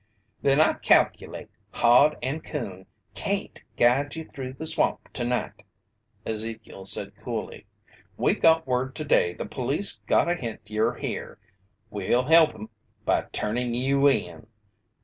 "Then I calculate Hod and Coon cain't guide ye through the swamp tonight," Ezekiel said coolly. "We got word today the police got a hint ye'r here. We'll help 'em, by turning you in.